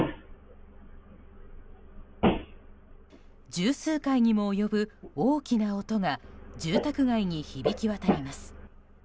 十数回にも及ぶ大きな音が住宅街に響き渡ります。